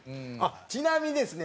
ちなみにですね